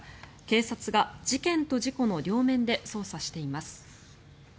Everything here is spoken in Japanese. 警察が事件と事故の両面で捜査しています。